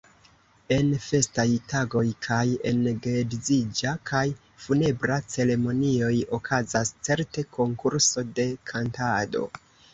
En festaj tagoj kaj en geedziĝa kaj funebra ceremonioj okazas certe konkurso de kantado.